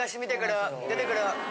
出てくる！